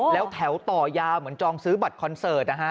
แล้วแถวต่อยาวเหมือนจองซื้อบัตรคอนเสิร์ตนะฮะ